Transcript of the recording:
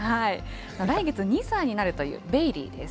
来月２歳になるというベイリーです。